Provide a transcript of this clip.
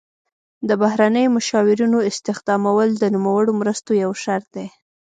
د بهرنیو مشاورینو استخدامول د نوموړو مرستو یو شرط دی.